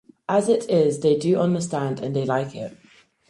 As it is, they do understand, and they like it.